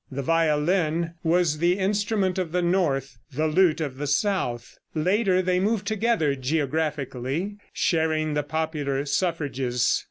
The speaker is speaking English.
The violin was the instrument of the north, the lute of the south. Later they move together geographically, sharing the popular suffrages.